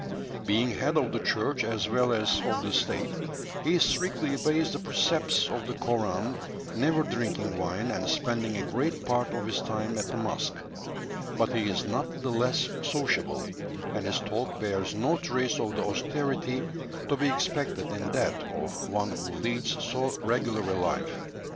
Being head of the church as well as of the state, he strictly obeys the precepts of the Koran, never drinking wine, and spending a great part of his time at the mosque; but he is not the less sociable, and his talk bears no trace of the austerity to be expected in that of one who leads so regular a life.